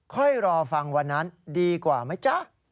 รอฟังวันนั้นดีกว่าไหมจ๊ะ